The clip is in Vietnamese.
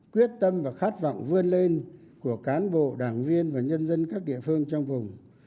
quyết tâm và khát vọng vươn lên của cán bộ đảng viên và nhân dân các địa phương trong vùng